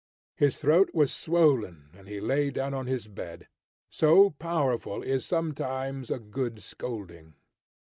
His throat was swollen, and he lay down on his bed. So powerful is sometimes a good scolding!